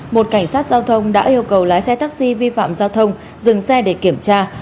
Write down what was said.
một cảnh sát giao thông đã yêu cầu lái xe taxi vi phạm giao thông dừng xe để kiểm tra